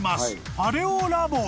パレオ・ラボへ］